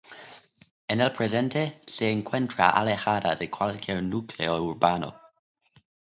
En el presente se encuentra alejada de cualquier núcleo urbano.